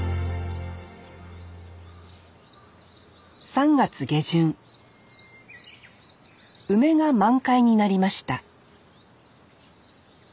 ３月下旬梅が満開になりました